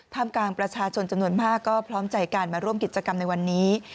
ถ้ามกาลประชาชนจำนวนมากก็พร้อมกับกิจกรรมในวันนี้